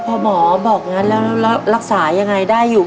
พอหมอบอกงั้นแล้วรักษายังไงได้อยู่